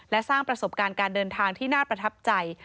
และสร้างประสบการณ์การเดินทางที่น่าประทับใจ